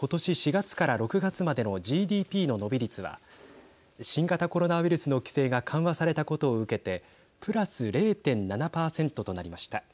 ４月から６月までのＧＤＰの伸び率は新型コロナウイルスの規制が緩和されたことを受けてプラス０．７％となりました。